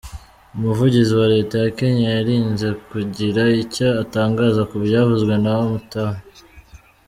Umuvugizi wa Leta ya Kenya yirinze kugira icyo atangaza ku byavuzwe na Omtatah.